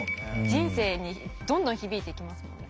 人生にどんどん響いていきますもんね。